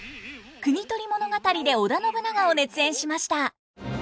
「国盗り物語」で織田信長を熱演しました。